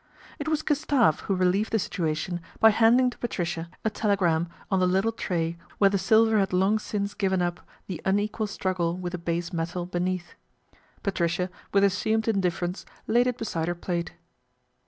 It was Gustave who relieved the situation by handing to Patricia a telegram on the little tray where the silver had long since given up the un equal struggle with the base metal beneath. Pat ricia with assumed indifference laid it beside her plate.